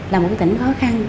là một tỉnh khó khăn